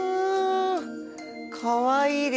かわいいですね。